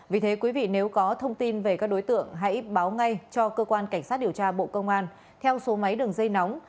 vì thế quý vị nếu có thông tin về các đối tượng hãy báo ngay cho cơ quan cảnh sát điều tra bộ công an theo số máy đường dây nóng